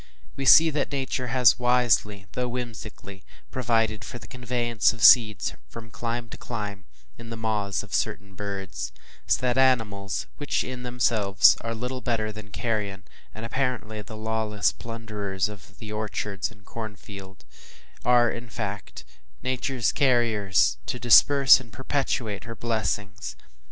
We see that Nature has wisely, though whimsically provided for the conveyance of seeds from clime to clime, in the maws of certain birds; so that animals, which, in themselves, are little better than carrion, and apparently the lawless plunderers of the orchard and the corn field, are, in fact, Nature’s carriers to disperse and perpetuate her blessings.